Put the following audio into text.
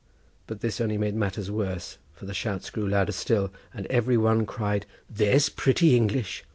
But this only made matters worse, for the shouts grew louder still, and every one cried: "There's pretty English!